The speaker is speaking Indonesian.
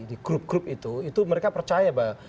di grup grup itu itu mereka percaya bahwa